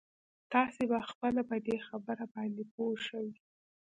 تاسې به خپله په دې خبره باندې پوه شئ.